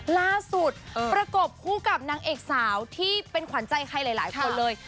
ประกบคู่กับนางเอกสาวที่เป็นขวัญใจใครหลายคนเลย